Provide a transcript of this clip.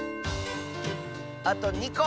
あと２こ！